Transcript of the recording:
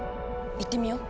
行ってみよう。